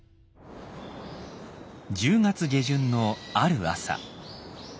１０月下旬のある朝。